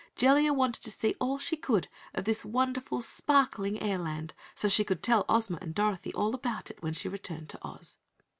Jellia wanted to see all she could of this wonderful, sparkling airland so she could tell Ozma and Dorothy all about it when she returned to Oz.